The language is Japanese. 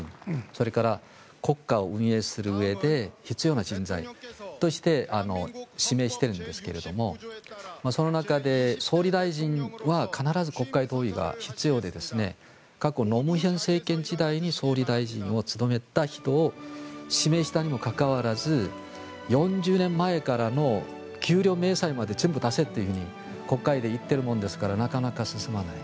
それから国家を運営するうえで必要な人材として指名しているんですがその中で総理大臣は必ず国会同意が必要で過去、盧武鉉政権時代に総理大臣を務めた人を指名したにもかかわらず４０年前からの給料明細まで全部出せと国会で言っているものですからなかなか進まない。